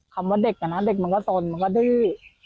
ว่าเด็กอะนะเด็กมันก็สนมันก็ดื้อ